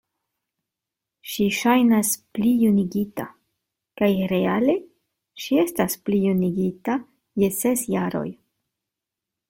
Ŝi ŝajnas plijunigita; kaj reale ŝi estas plijunigita je ses jaroj.